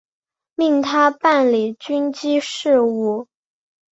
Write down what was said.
命他办理军机事务。